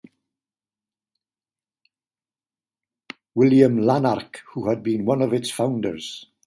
William Larnach who had been one of its founders.